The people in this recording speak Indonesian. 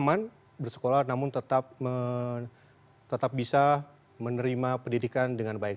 anak anak juga bisa aman bersekolah namun tetap bisa menerima pendidikan dengan baik